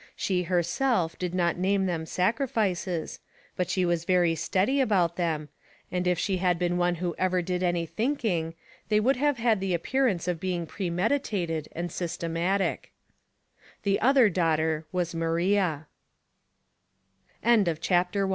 She herself did not name them sacrifices, but she was very steady about them, and if she had been one who ever did any thinking they would have had the appearance of being premeditated and systematic. The other daughter was Maria.